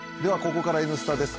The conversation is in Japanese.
ここからは「Ｎスタ」です。